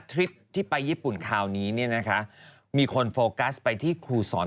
ทริปที่ไปญี่ปุ่นคราวนี้เนี่ยนะคะมีคนโฟกัสไปที่ครูสอน